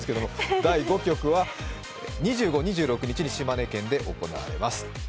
第５局は２５、２６日に島根県で行われます。